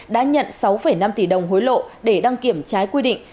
đã nhận sáu năm tỷ đồng hối lộ để đăng kiểm trái quy định